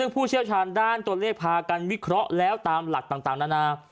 ผู้เชี่ยวชาญด้านตัวเลขพากันวิเคราะห์แล้วตามหลักต่างนานา